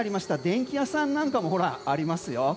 電気屋さんなんかもありますよ。